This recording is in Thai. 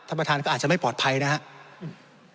ท่านประธานก็อาจจะไม่ปลอดภัยนะครับ